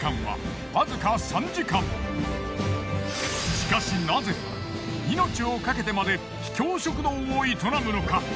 しかしナゼ命をかけてまで秘境食堂を営むのか？